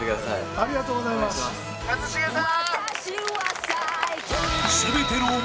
ありがとうございます一茂さん！